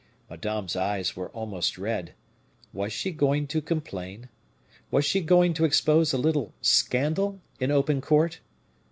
Madame's eyes were almost red: was she going to complain? Was she going to expose a little scandal in open court?